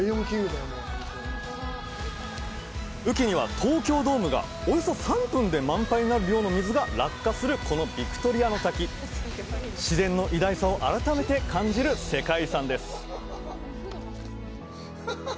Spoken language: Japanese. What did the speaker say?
雨期には東京ドームがおよそ３分で満杯になる量の水が落下するこのヴィクトリアの滝自然の偉大さを改めて感じる世界遺産です